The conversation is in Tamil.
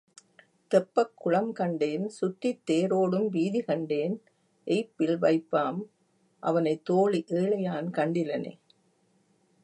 தெப்பக் குளம் கண்டேன் சுற்றித் தேரோடும் வீதி கண்டேன் எய்ப்பில் வைப்பாம் அவனைத் தோழி ஏழையான் கண்டிலனே.